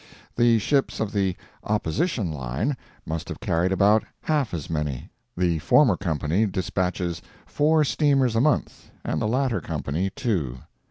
The ships of the Opposition Line must have carried about half as many. The former company dispatches four steamers a month, and the latter company two.